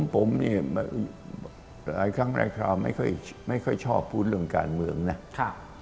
ผมเนี่ยหลายครั้งหลายคราวไม่ค่อยชอบพูดเรื่องการเมืองนะ